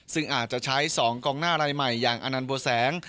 ซึ่งอาจจะใช้๒กองหน้ารายใหม่อย่างอนันต์บัวแสง